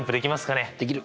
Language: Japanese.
できる！